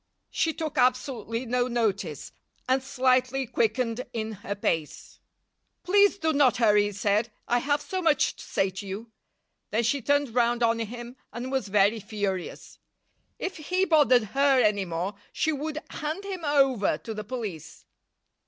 She took absolutely no notice, and slightly quickened in her pace. "Please do not hurry," he said. "I have so much to say to you." Then she turned round on him and was very furious. If he bothered her any more she would hand him over to the police.